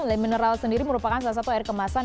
le mineral sendiri merupakan salah satu air kemasan